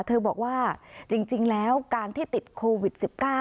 เธอบอกว่าจริงแล้วการที่ติดโควิด๑๙